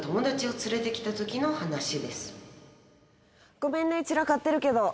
ごめんね散らかってるけど。